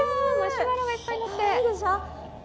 かわいいでしょ？